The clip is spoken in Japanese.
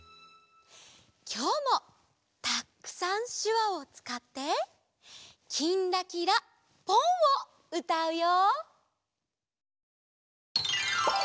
きょうもたくさんしゅわをつかって「きんらきらぽん」をうたうよ！